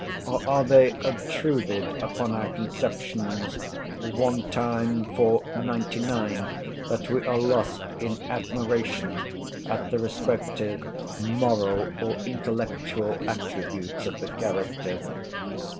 or are they obtruded upon our conceptions one time for ninety nine that we are lost in admiration at the respective moral or intellectual attributes of the character?